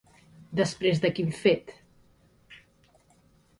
Després de quin fet?